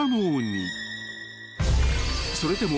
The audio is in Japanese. ［それでも］